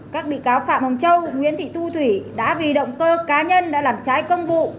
các bị cáo phạm hồng châu nguyễn thị thu thủy đã vì động cơ cá nhân đã làm trái công vụ